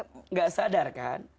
tidak sadar kan